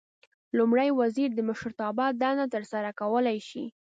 لومړی وزیر د مشرتابه دنده ترسره کولای شي.